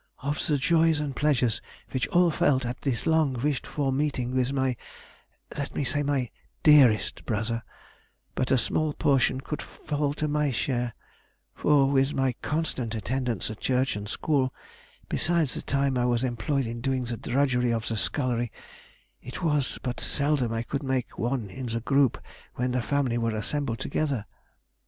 "Of the joys and pleasures which all felt at this long wished for meeting with my—let me say my dearest brother, but a small portion could fall to my share; for with my constant attendance at church and school, besides the time I was employed in doing the drudgery of the scullery, it was but seldom I could make one in the group when the family were assembled together.